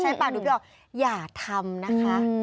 ใช่ปากดูพี่ออกอย่าทำนะคะ